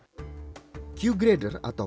dan juga bisa dipasarkan